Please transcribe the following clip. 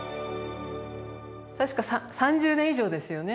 確か３０年以上ですよね